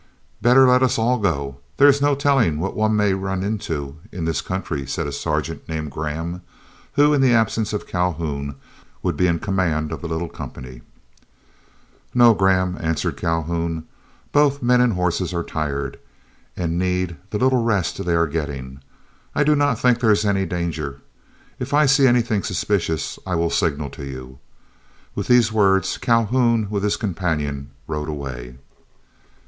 "Better let us all go, there is no telling what one may run into in this country," said a sergeant named Graham, who in the absence of Calhoun would be in command of the little company. "No, Graham," answered Calhoun, "both men and horses are tired, and need the little rest they are getting. I do not think there is any danger. If I see anything suspicious, I will signal to you." With these words Calhoun with his companion rode away.